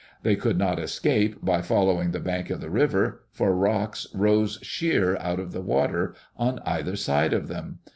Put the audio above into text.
They could not escape by following the bank of the river, for rocks rose sheer out of the water on either side of them.